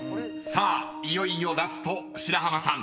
［いよいよラスト白濱さん。